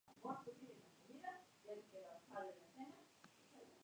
Sin embargo, los modernos análisis cladísticos indican una posición más basal.